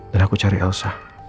dan aku cari elsa